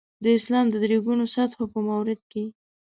د اسلام د درې ګونو سطحو په مورد کې.